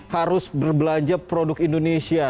harus berbelanja produk indonesia